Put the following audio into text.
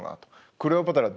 クレオパトラ